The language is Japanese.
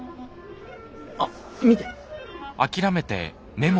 あっ見て。